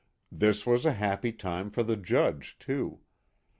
This was a happy time for the Judge, too.